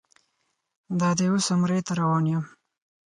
دادی اوس عمرې ته روان یم.